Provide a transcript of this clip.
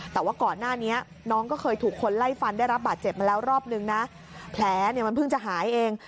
แต่ว่าก่อนหน้านี้น้องก็เคยถูกคนไล่ฟันได้รับบาดเจ็บมาแล้วรอบนึงนะแผลเนี่ยมันเพิ่งจะหายเอง